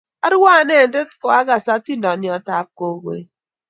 arue anete ya kaakas atindiondetab gogoe